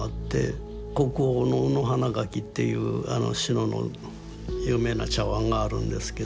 国宝の「卯花墻」っていう志野の有名な茶碗があるんですけど。